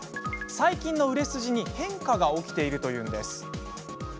最近の売れ筋に変化が起きているというんです。